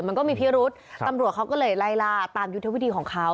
มันก็มีพิรุษตำรวจเขาก็เลยไล่ล่าตามยุทธวิธีของเขา